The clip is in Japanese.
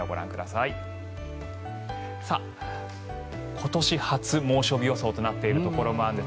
今年初の猛暑日予想となっているところもあるんです。